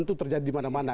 itu terjadi dimana mana